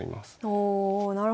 おなるほど。